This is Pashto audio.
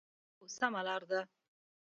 هو، سمه لار ده